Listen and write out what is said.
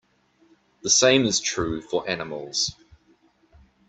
The same is true for animals.